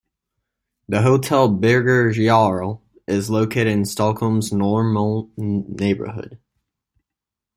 The Hotel Birger Jarl is located in Stockholm's Norrmalm neighborhood.